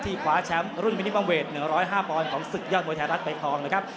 ที่คว้าแชมป์รุ่นมินิมัมเวท๑๐๕ปของศึกยอดมวยแทนรัฐเป็นทองนะครับ